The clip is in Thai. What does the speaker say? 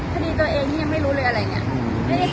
คดีตัวเองที่ยังไม่รู้เลยอะไรอย่างนี้